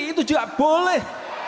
itu juga boleh